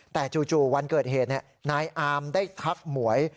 แต่จู่วันเกิดเหตุนายอามได้ทักหมวย